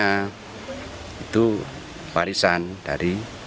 maka kita harus berusaha untuk memperbaiki rumah ini